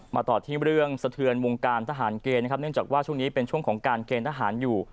ต่อที่เรื่องสะเทือนวงการทหารเกณฑ์นะครับเนื่องจากว่าช่วงนี้เป็นช่วงของการเกณฑ์ทหารอยู่